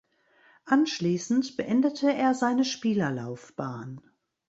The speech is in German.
Anschließend beendete er seine Spielerlaufbahn.